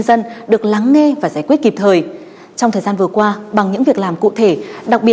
xin cảm ơn trường quay